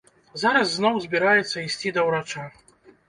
Зараз зноў збіраецца ісці да ўрача.